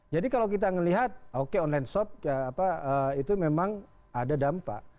jadi kalau kita melihat oke online shop itu memang ada dampak